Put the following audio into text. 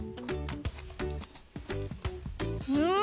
うん！